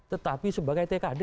tetapi sebagai tkd